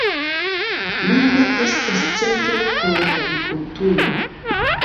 Nune estas centro por agrikulturo.